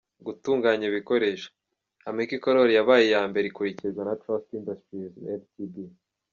Gutunganya ibikoresho: Ameki color yabaye iya mbere ikurikirwa na Trust Industries Ltd.